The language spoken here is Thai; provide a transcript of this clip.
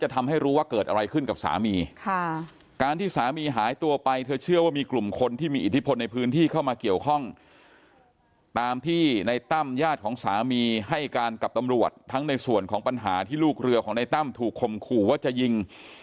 ที่มีอิทธิพลในพื้นที่เข้ามาเกี่ยวข้องตามที่ในตั้มญาติของสามีให้การกับตำรวจทั้งในส่วนของปัญหาที่ลูกเรือของในตั้มถูกคมคู่ว่าจะยิง